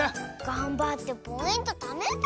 がんばってポイントためたのに。